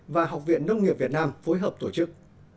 và học viện nông nghiệp việt nam phối hợp tổ chức